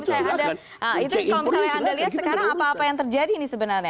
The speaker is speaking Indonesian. itu kalau misalnya anda lihat sekarang apa apa yang terjadi nih sebenarnya